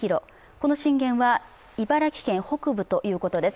この震源は茨城県北部ということです。